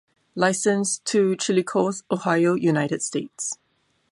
Licensed to Chillicothe, Ohio, United States.